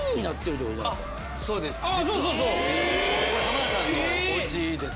そうです。